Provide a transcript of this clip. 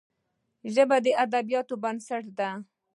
ژبه د ادبياتو بنسټ ده